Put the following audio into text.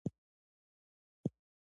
پښتو د کلتوري پیغام په انتقال کې مرسته کوي.